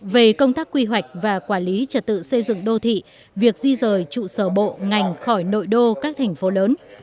về công tác quy hoạch và quản lý trật tự xây dựng đô thị việc di rời trụ sở bộ ngành khỏi nội đô các thành phố lớn